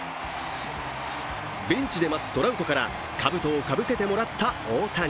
ベンチで待つトラウトからかぶとをかぶせてもらった大谷。